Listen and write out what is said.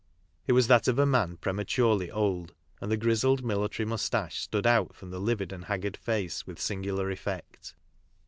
It was that of a man prema turely old, and the grizzled military moustache stood out from the livid and haggard face with singular effect.